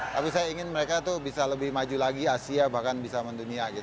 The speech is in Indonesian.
tapi saya ingin mereka tuh bisa lebih maju lagi asia bahkan bisa mendunia